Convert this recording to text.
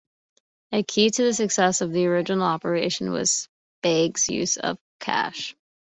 A key to the success of the original operation was Spag's use of cash.